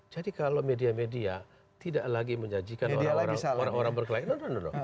jadi kalau media media tidak lagi menjanjikan orang orang berkelainan